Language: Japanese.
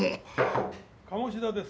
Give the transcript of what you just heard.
鴨志田です。